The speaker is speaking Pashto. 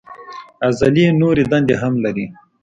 عضلې نورې دندې هم لري.